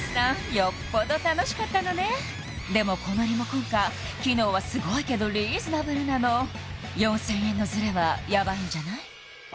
よっぽど楽しかったのねでもこのリモコンカー機能はすごいけどリーズナブルなの４０００円のズレはヤバいんじゃない？